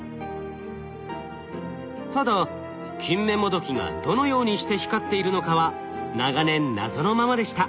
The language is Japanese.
ただキンメモドキがどのようにして光っているのかは長年謎のままでした。